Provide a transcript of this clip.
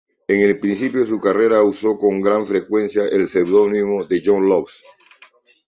En el principio de su carrera uso con frecuencia el pseudónimo de John Loves.